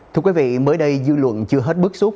thưa quý vị mới đây dư luận chưa hết bước xuất